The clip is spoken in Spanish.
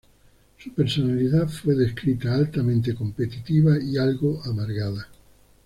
Su personalidad fue descrita "altamente competitiva y algo amargada".